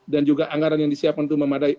dan juga anggaran yang disiapkan untuk memadai